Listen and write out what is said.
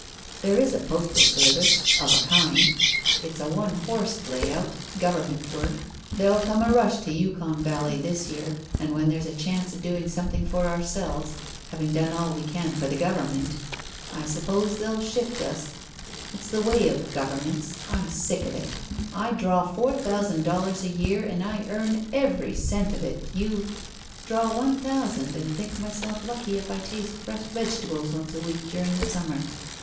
There is a postal service of a kind. It's a one horsed lay out Government work. There'll come a rush to the Yukon valley this year, and when there's a chance of doing something for ourselves having done all we can for the Government I suppose they'll shift us. It's the way of Governments. I'm sick of it. I draw four thousand dollars a year, and I earn every cent of it. You " "Draw one thousand, and think myself lucky if I taste fresh vegetables once a week during the summer.